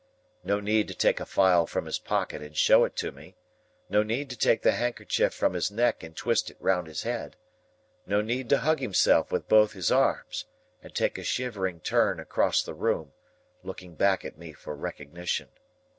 No need to take a file from his pocket and show it to me; no need to take the handkerchief from his neck and twist it round his head; no need to hug himself with both his arms, and take a shivering turn across the room, looking back at me for recognition.